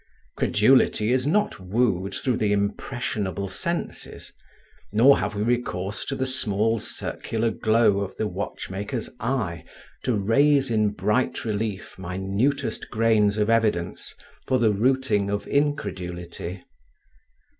Credulity is not wooed through the impressionable senses; nor have we recourse to the small circular glow of the watchmaker's eye to raise in bright relief minutest grains of evidence for the routing of incredulity.